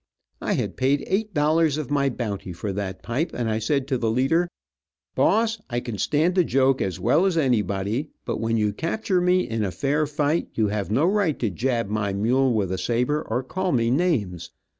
I had paid eight dollars of my bounty for that pipe, and I said to the leader: "Boss, I can stand a joke as well as anybody, but when you capture me, in a fair fight, you have no right to jab my mule with a saber, or call me names.